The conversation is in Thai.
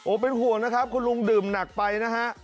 เป็นห่วงนะครับคุณลุงดื่มหนักไปนะฮะ